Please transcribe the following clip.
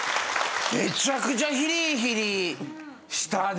めちゃくちゃヒリヒリしたね。